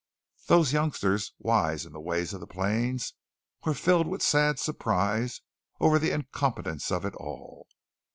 Those youngsters, wise in the ways of the plains, were filled with sad surprise over the incompetence of it all.